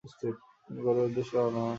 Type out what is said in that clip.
তিনি গৌড়ের উদ্দেশ্যে রওনা হন।